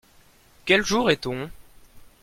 Quel jour est-on ?